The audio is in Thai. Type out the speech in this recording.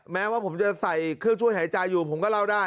แม้ว่าผมจะใส่เครื่องช่วยหายใจอยู่ผมก็เล่าได้